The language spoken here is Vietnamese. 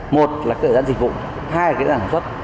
một là dự án dịch vụ hai là dự án sản xuất